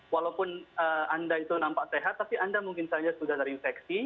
walaupun anda itu nampak sehat tapi anda mungkin saja sudah terinfeksi